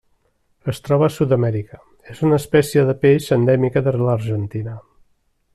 Es troba a Sud-amèrica: és una espècie de peix endèmica de l'Argentina.